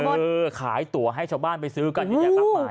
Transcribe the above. เออขายตั๋วให้ชาวบ้านไปซื้อกันฮู้